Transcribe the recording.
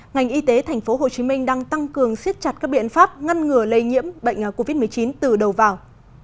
ngành y tế tp hcm đang tăng cường siết chặt các biện pháp ngăn ngừa lây nhiễm bệnh covid một mươi chín từ đầu vào